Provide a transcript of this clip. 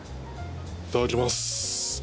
いただきます。